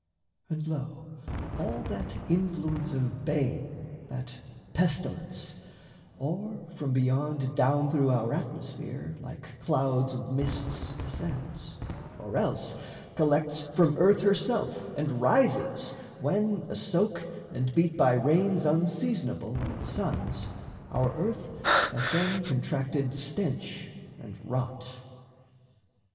And, lo, all That Influence of bane, that pestilence, Or from Beyond down through our atmosphere, Like clouds and mists, descends, or else collects From earth herself and rises, when, a soak And beat by rains unseasonable and suns, Our earth hath then contracted stench and rot.